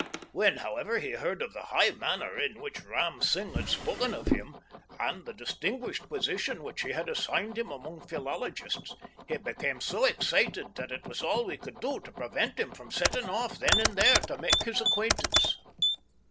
When, however, he heard of the high manner in which Ram Singh had spoken of him, and the distinguished position which he had assigned him among philologists, he became so excited that it was all we could do to prevent him from setting off then and there to make his acquaintance.